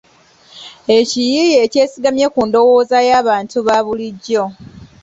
Ekiyiiye ekyesigamye ku ndowooza y'abantu ba bulijjo.